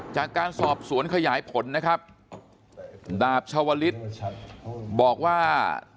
จากการสอบสวนขยายผลนะครับดาบชาวลิศบอกว่า